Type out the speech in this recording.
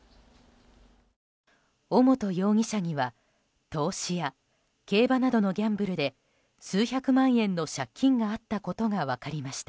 尾本容疑者には投資や競馬などのギャンブルで数百万円の借金があったことが分かりました。